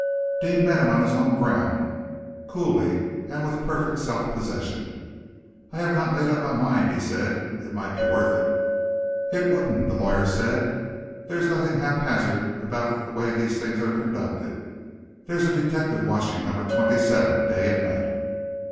Deane met him on his own ground, coolly, and with perfect self possession. "I have not made up my mind," he said. "It might be worth it." "It wouldn't," the lawyer said. "There's nothing haphazard about the way these things are conducted. There's a detective watching Number 27, day and night."